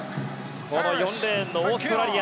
この４レーンのオーストラリア。